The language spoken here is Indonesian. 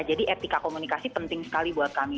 jadi etika komunikasi penting sekali buat kami